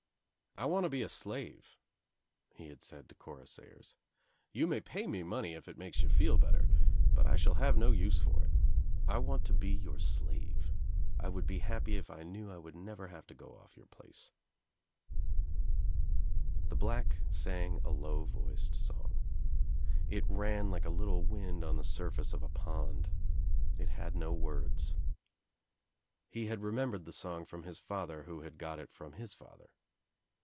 "I want to be a slave," he had said to Cora Sayers. "You may pay me money if it makes you feel better but I shall have no use for it. I want to be your slave. I would be happy if I knew I would never have to go off your place," The black sang a low voiced song. It ran like ft little wind on the surface of a pond. It had no words. He had remembered the song from his father who had got it from his father.